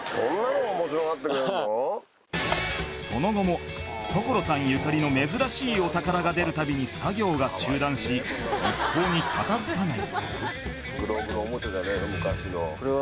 その後も所さんゆかりの珍しいお宝が出るたびに作業が中断し一向に片付かない